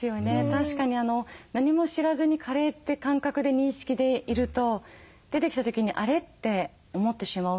確かに何も知らずにカレーって感覚で認識でいると出てきた時にあれ？って思ってしまう。